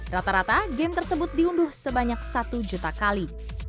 rata rata game tersebut diunduh sebanyak satu juta kali